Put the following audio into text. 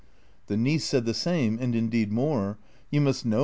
" The niece said the same, and, indeed, more :" You must know.